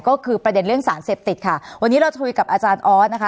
ก็คือประเด็นเรื่องสารเสพติดค่ะวันนี้เราจะคุยกับอาจารย์ออสนะคะ